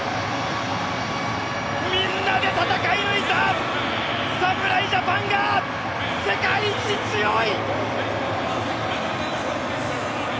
みんなで戦い抜いた侍ジャパンが世界一強い！